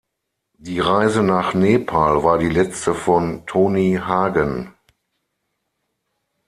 Die Reise nach Nepal war die letzte von Toni Hagen.